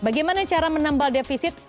bagaimana cara menambal defisit